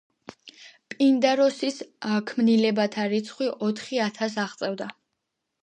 პინდაროსის ქმნილებათა რიცხვი ოთხი ათასს აღწევდა.